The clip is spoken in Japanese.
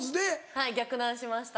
はい逆ナンしました。